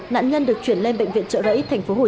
nạn nhân được chuyển lên bệnh viện trợ rẫy